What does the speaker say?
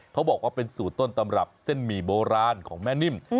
เขาบอกว่าเป็นสูตรต้นตำรับเส้นหมี่โบราณของแม่นิ่ม